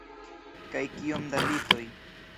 Kaj kiom da litoj.